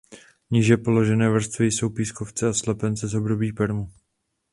Níže položené vrstvy jsou pískovce a slepence z období permu.